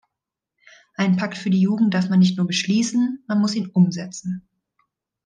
Einen Pakt für die Jugend darf man nicht nur beschließen, man muss ihn umsetzen!